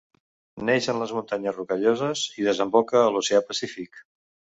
Neix en les Muntanyes Rocalloses i desemboca a l'Oceà Pacífic.